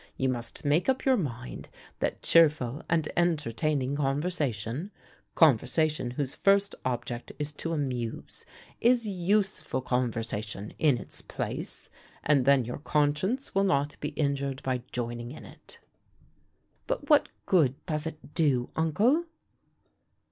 You must make up your mind that cheerful and entertaining conversation conversation whose first object is to amuse is useful conversation in its place, and then your conscience will not be injured by joining in it." "But what good does it do, uncle?"